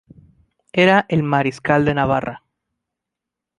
Era el mariscal de Navarra.